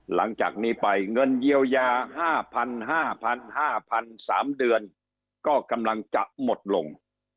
หลังจากนี้ไปเงินเยียวยา๕๕๐๐๓เดือนก็กำลังจะหมดลง